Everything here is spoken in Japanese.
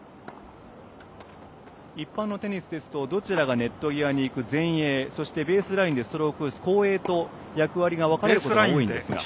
一般のテニスですとどちらがネット際に行く前衛そしてベースラインでストロークを打つ後衛と役割が分かれることが多いんですが。